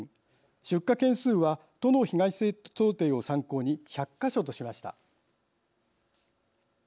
出火件数は都の被害想定を参考に１００か所としました。